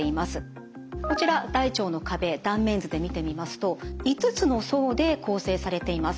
こちら大腸の壁断面図で見てみますと５つの層で構成されています。